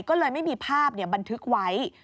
ก็เลยไม่มีภาพบันทึกไว้